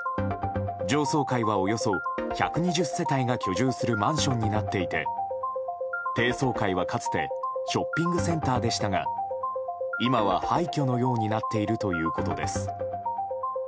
上層階はおよそ１２０世帯が居住するマンションになっていて低層階は、かつてショッピングセンターでしたが今は廃虚のようになっているということです。